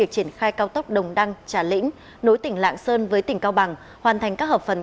chưa ở không ổn định